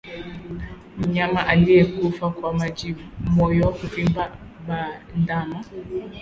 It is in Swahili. Mnyama aliyekufa kwa majimoyo huvimba bandama